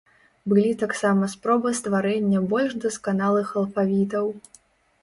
Былі таксама спробы стварэння больш дасканалых алфавітаў.